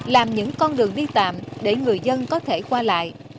làm những con đường đi tạm để người dân có thể qua lại